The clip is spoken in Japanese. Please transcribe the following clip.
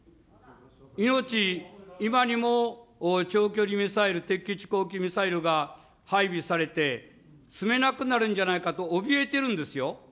命、今にも長距離ミサイル、敵基地攻撃ミサイルが配備されて、住めなくなるんじゃないかと、おびえているんですよ。